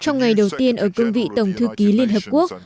trong ngày đầu tiên ở cương vị tổng thư ký liên hợp quốc